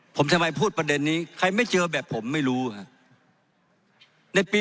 ผมทำไมพูดประเด็นนี้ใครไม่เจอแบบผมไม่รู้ครับ